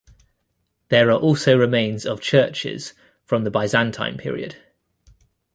There are also remains of churches from the Byzantine period.